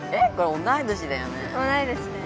同い年だよね。